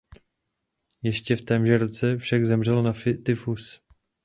Ještě v témže roce však zemřel na tyfus.